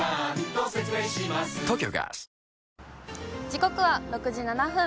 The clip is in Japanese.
時刻は６時７分。